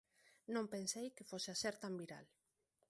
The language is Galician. Non pensei que fose a ser tan viral.